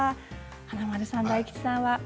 華丸さん大吉さんは？